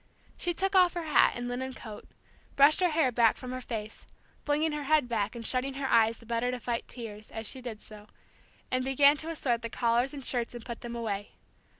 She took off her hat and linen coat, brushed her hair back from her face, flinging her head back and shutting her eyes the better to fight tears, as she did so, and began to assort the collars and shirts and put them away.